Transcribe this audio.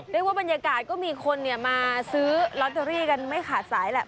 เรียกว่าบรรยากาศก็มีคนมาซื้อลอตเตอรี่กันไม่ขาดสายแหละ